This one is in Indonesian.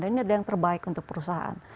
dan ini adalah yang terbaik untuk perusahaan